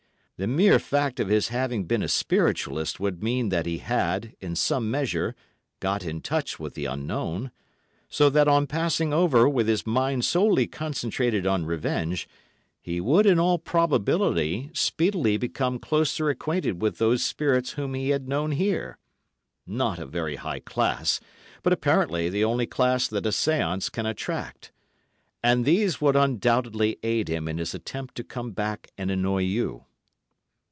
The mere fact of his having been a Spiritualist would mean that he had, in some measure, got in touch with the Unknown; so that on passing over with his mind solely concentrated on revenge, he would, in all probability, speedily become closer acquainted with those spirits whom he had known here—not a very high class, but apparently the only class that a séance can attract—and these would undoubtedly aid him in his attempt to come back and annoy you."